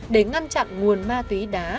để ngăn chặn nguồn ma túy đá